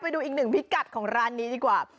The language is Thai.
ไปดูอีกหนึ่งพิกัดของร้านนี้ดีกว่า